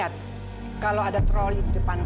saat yang hadir aku subscribing disappear